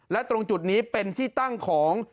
และตรงจุดนี้เป็นที่ตั้งของ